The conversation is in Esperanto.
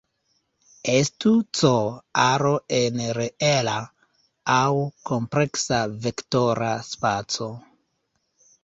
Estu "C" aro en reela aŭ kompleksa vektora spaco.